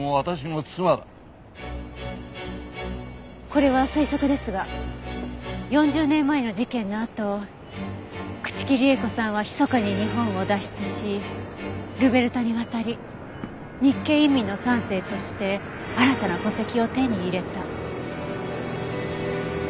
これは推測ですが４０年前の事件のあと朽木里江子さんはひそかに日本を脱出しルベルタに渡り日系移民の３世として新たな戸籍を手に入れた。